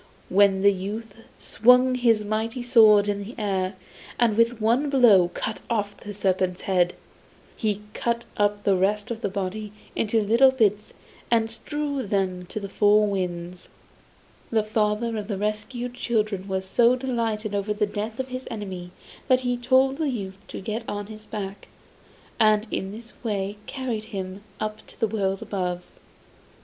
Then the youth swung his mighty sword in the air, and with one blow cut off the serpent's head. He cut up the rest of the body into little bits and strewed them to the four winds. The father of the rescued children was so delighted over the death of his enemy that he told the youth to get on his back, and in this way he carried him up to the world above.